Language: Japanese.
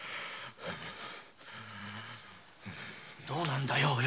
どうなんだよ？